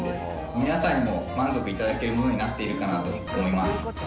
皆さんにも満足いただけるものになっているかなと思います。